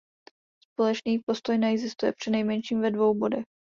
Společný postoj neexistuje přinejmenším ve dvou bodech.